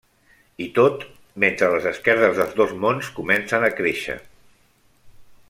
I tot, mentre les esquerdes dels dos mons comencen a créixer.